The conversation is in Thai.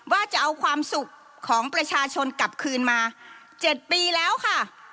ว่าจะเอาความสุขของประชาชนกลับคืนมา๗ปีแล้วค่ะ